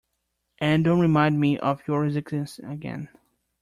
And don’t remind me of your existence again.